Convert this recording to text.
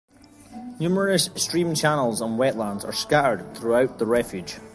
Numerous stream channels and wetlands are scattered throughout the refuge.